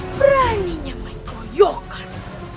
beraninya main koyokan